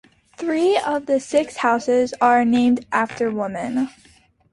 Three of the six houses are named after women.